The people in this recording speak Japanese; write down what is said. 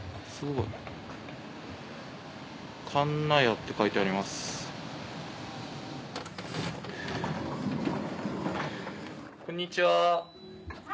はいこんにちは。